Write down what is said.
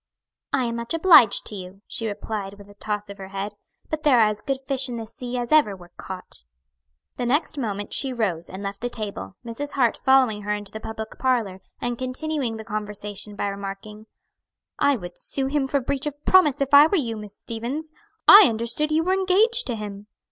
"I am much obliged to you," she replied, with a toss of her head; "but there are as good fish in the sea as ever were caught." The next moment she rose and left the table, Mrs. Hart following her into the public parlor, and continuing the conversation by remarking, "I would sue him for breach of promise if I were you, Miss Stevens. I understood you were engaged to him."